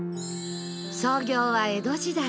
創業は江戸時代